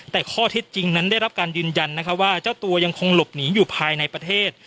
แต่ข้อเท็จจริงนั้นได้รับการยืนยันว่าเจ้าตัวยังคงหลบหนีอยู่ภายในประเทศ